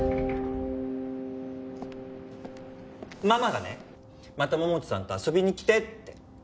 ママがねまた桃地さんと遊びに来てって。